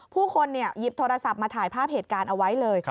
ผู้คนหยิบโทรศัพท์มาถ่ายภาพเหตุการณ์เอาไว้เลย